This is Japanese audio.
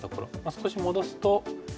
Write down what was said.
少し戻すと。